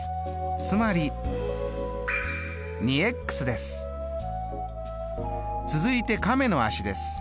つまり続いて亀の足です。